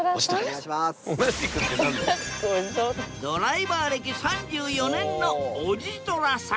ドライバー歴３４年のおじとらさん。